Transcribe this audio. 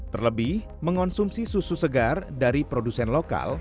terlebih mengonsumsi susu segar dari produsen lokal